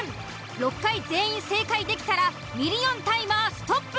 ６回全員正解できたらミリオンタイマーストップ。